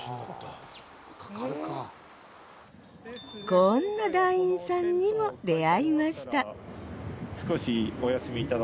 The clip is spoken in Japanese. こんな団員さんにも出会いましたあ